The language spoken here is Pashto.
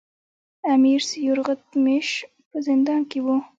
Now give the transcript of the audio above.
امیر سیورغتمیش په زندان کې وو.